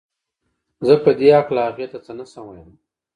زه په دې هکله هغې ته څه نه شم ويلی